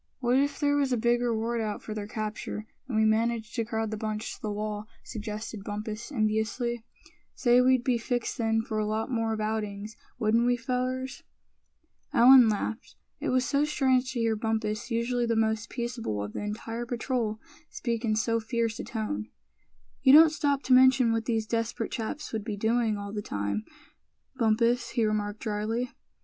"What if there was a big reward out for their capture, and we managed to crowd the bunch to the wall?" suggested Bumpus, enviously. "Say, we'd be fixed then for a lot more of outings, wouldn't we, fellers?" Allan laughed. It was so strange to hear Bumpus, usually the most peaceable of the entire patrol, speak in so fierce a tone. "You don't stop to mention what these desperate chaps would be doing all that time, Bumpus," he remarked, drily.